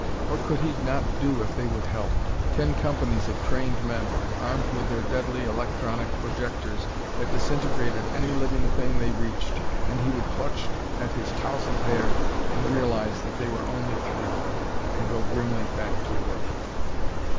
What could he not do if they would help. Ten companies of trained men, armed with their deadly electronic projectors that disintegrated any living thing they reached and he would clutch at his tousled hair and realize that they were only three, and go grimly back to work.